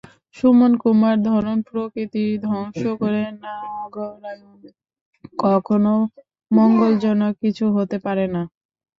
সুমন কুমার ধরপ্রকৃতি ধ্বংস করে নগরায়ণ কখনো মঙ্গলজনক কিছু হতে পারে না।